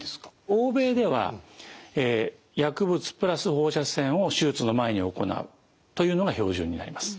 欧米では薬物プラス放射線を手術の前に行うというのが標準になります。